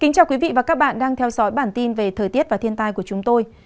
cảm ơn các bạn đã theo dõi và ủng hộ cho bản tin thời tiết và thiên tai của chúng tôi